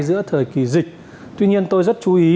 giữa thời kỳ dịch tuy nhiên tôi rất chú ý